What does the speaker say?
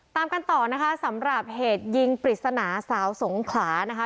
ตามกันต่อนะคะสำหรับเหตุยิงปริศนาสาวสงขลานะคะ